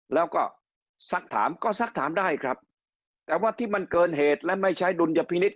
แล้วก็สักถามก็สักถามได้ครับแต่ว่าที่มันเกินเหตุและไม่ใช้ดุลยพินิษฐ